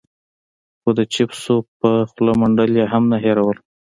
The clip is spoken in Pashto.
خو د چېپسو په خوله منډل يې هم نه هېرول.